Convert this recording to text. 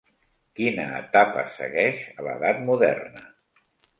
Quina etapa segueix a l'edat moderna?